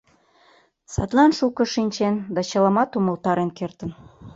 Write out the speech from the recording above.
Садлан шуко шинчен да чыламат умылтарен кертын.